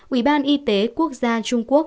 ủy ban y tế quốc gia trung quốc